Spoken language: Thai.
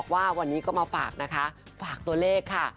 ว่าวันนี้ก็มาฝากนะคะฝากตัวเลขค่ะ